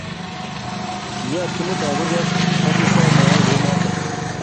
Kiyat Kimutai kurget akisom mayai kounoto